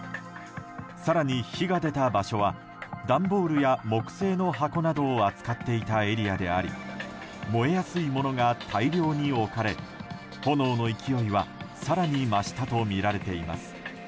更に火が出た場所は段ボールや木製の箱などを扱っていたエリアであり燃えやすいものが大量に置かれ炎の勢いは更に増したとみられています。